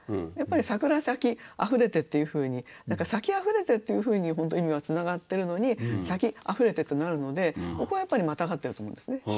やっぱり「さくら咲きあふれて」っていうふうに「咲きあふれて」っていうふうに本当は意味がつながってるのに「咲きあふれて」となるのでここはやっぱりまたがってると思うんですね。